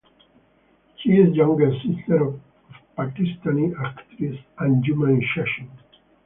She is younger sister of Pakistani actress Anjuman Shaheen.